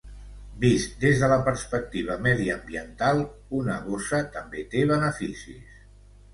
Vist des de la perspectiva mediambiental, una bossa també té beneficis.